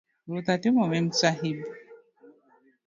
ruoth; atimo Memsahib